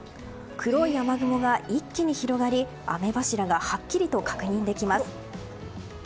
黒い雨雲が一気に広がり雨柱がはっきりと確認できます。